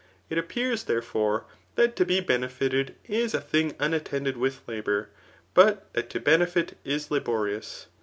It appears, therefore, that to be benefited is a thing unattended with labour ; but that to benefit is la borious.